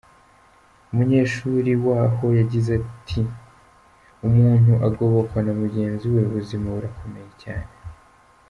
Umunyeshuri waho yagize ati“Umuntu agobokwa na mugenzi we, ubuzima burakomeye cyane”.